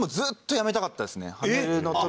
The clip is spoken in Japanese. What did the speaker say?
辞めたかったですね。